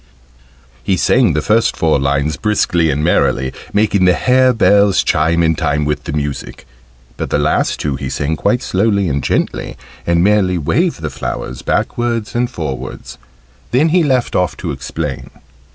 He sang the first four lines briskly and merrily, making the hare bells chime in time with the music; but the last two he sang quite slowly and gently, and merely waved the flowers backwards and forwards. Then he left off to explain.